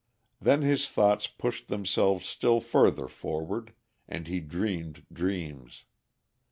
Then his thoughts pushed themselves still further forward, and he dreamed dreams.